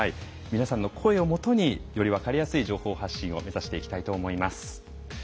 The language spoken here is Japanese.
皆さんの声をもとにより分かりやすい情報発信を目指していきたいと思います。